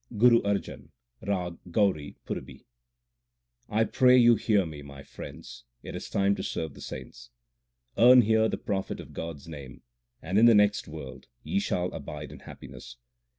GURU ARJAN, RAG GAURI PURBI 1 pray you hear me, my friends, it is time to serve the saints. Earn here the profit of God s name, and in the next world ye shall abide in happiness.